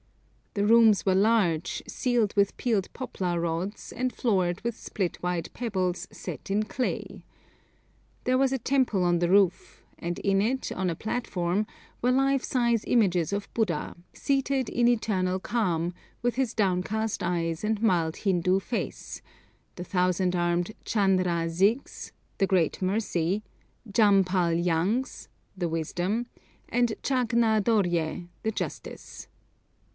The rooms were large, ceiled with peeled poplar rods, and floored with split white pebbles set in clay. There was a temple on the roof, and in it, on a platform, were life size images of Buddha, seated in eternal calm, with his downcast eyes and mild Hindu face, the thousand armed Chan ra zigs (the great Mercy), Jam pal yangs (the Wisdom), and Chag na dorje (the Justice).